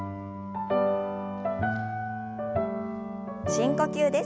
深呼吸です。